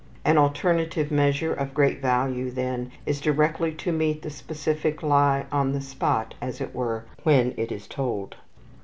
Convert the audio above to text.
An alterative measure of great value, then, is directly to meet the specific lie on the spot, as it were, when it is told.